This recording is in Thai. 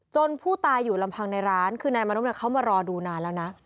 ผู้ตายอยู่ลำพังในร้านคือนายมานพเขามารอดูนานแล้วนะ